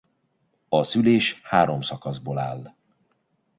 A szülés három szakaszból áll.